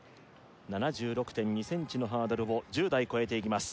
７６．２ｃｍのハードルを１０台越えていきます